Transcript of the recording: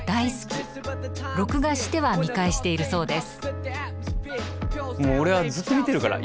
録画しては見返しているそうです。